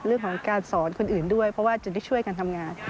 เรื่องของการสอนคนอื่นด้วยเพราะว่าจะได้ช่วยกันทำงาน